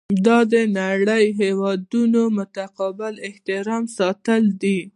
دا د نړۍ د هیوادونو متقابل احترام ساتل دي.